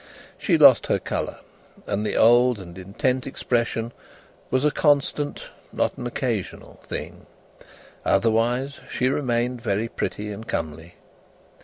She lost her colour, and the old and intent expression was a constant, not an occasional, thing; otherwise, she remained very pretty and comely.